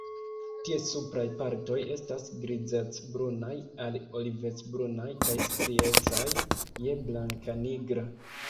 Ties supraj partoj estas grizec-brunaj al olivec-brunaj kaj striecaj je blankanigra.